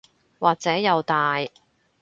或者又大